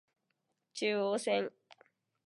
中央線